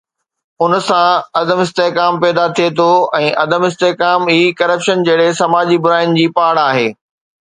ان سان عدم استحڪام پيدا ٿئي ٿو ۽ عدم استحڪام ئي ڪرپشن جھڙي سماجي براين جي پاڙ آهي.